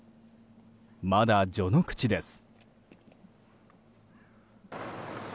まだ序の口です。